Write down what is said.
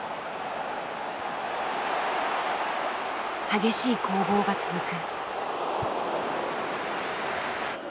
激しい攻防が続く。